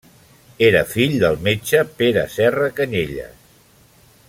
Era fill del metge Pere Serra Canyelles.